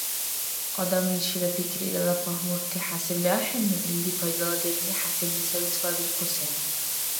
Адамличила пикри илала пагьмурти хӀясибли ахӀенну, илди пайдаладирни хӀясибли саби цалабирхъуси.